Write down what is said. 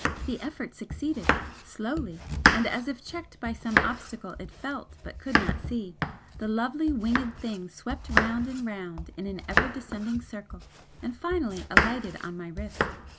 The effort succeeded, slowly, and as if checked by some obstacle it felt but could not see, the lovely winged thing swept round and round in an ever descending circle and finally alighted on my wrist.